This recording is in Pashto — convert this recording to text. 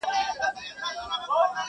هغه د پېښې حقيقت غواړي ډېر,